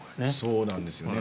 そうなんですよね。